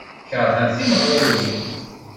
Keṛhent timeɣriwin.